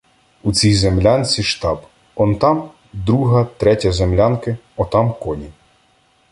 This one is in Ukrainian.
У цій землянці штаб, он там — друга, третя землянки, отам коні.